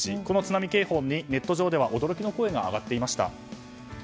この津波警報にネット上では驚きの声が上がっていました。